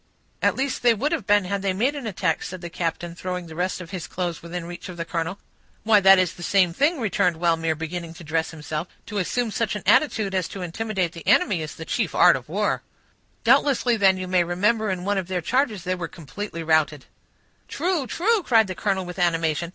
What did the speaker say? "At least they would have been, had they made an attack," said the captain, throwing the rest of his clothes within reach of the colonel. "Why, that is the same thing," returned Wellmere, beginning to dress himself. "To assume such an attitude as to intimidate your enemy, is the chief art of war." "Doubtless, then, you may remember in one of their charges they were completely routed." "True—true," cried the colonel, with animation.